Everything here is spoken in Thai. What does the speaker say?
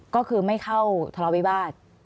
ก็คือไม่เข้าทะเลาวิวาส